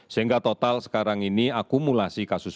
sehingga total sekarang ini akumulasi kasus